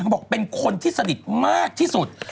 บอกเป็นคนที่สนิทมากที่สุด